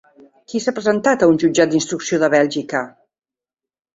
Qui s'ha presentat a un jutjat d'instrucció de Bèlgica?